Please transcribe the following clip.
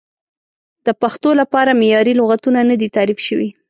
د پښتو لپاره معیاري لغتونه نه دي تعریف شوي.